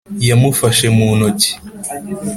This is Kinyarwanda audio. yamufashe mu ntoki.